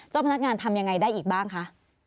พนักงานทำยังไงได้อีกบ้างคะ